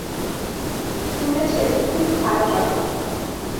শুনেছেন, খুব ভালো কথা।